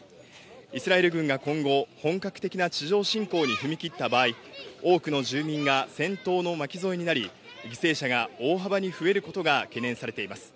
イスラエル軍が今後、本格的な地上侵攻に踏み切った場合、多くの住民が戦闘の巻き添えになり、犠牲者が大幅に増えることが懸念されています。